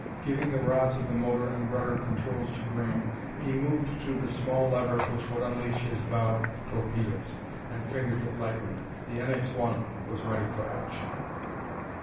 Giving the rods of the motor and rudder controls to Graham, he moved to the small lever which would unleash his bow torpedoes, and fingered it lightly. The NX 1 was ready for action.